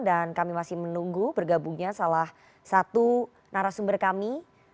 dan kami masih menunggu bergabungnya salah satu narasumber kami